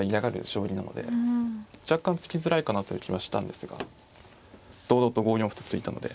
将棋なので若干突きづらいかなという気はしたんですが堂々と５四歩と突いたので。